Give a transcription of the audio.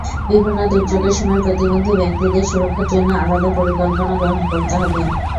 বিভিন্ন দুর্যোগের সময় প্রতিবন্ধী ব্যক্তিদের সুরক্ষার জন্য আলাদা পরিকল্পনা গ্রহণ করতে হবে।